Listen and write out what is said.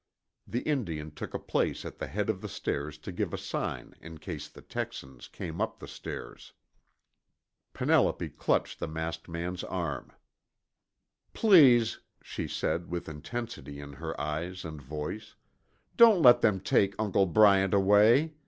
The Indian took a place at the head of the stairs to give a sign in case the Texans came up the stairs. Penelope clutched the masked man's arm. "Please," she said with intensity in her eyes and voice, "don't let them take Uncle Bryant away.